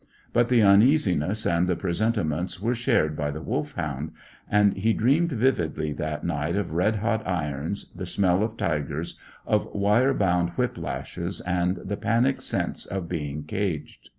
But the uneasiness and the presentiments were shared by the Wolfhound, and he dreamed vividly that night of red hot irons, the smell of tigers, of wire bound whip lashes, and the panic sense of being caged.